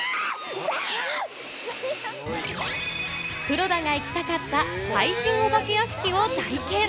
黒田が行きたかった最新お化け屋敷を体験。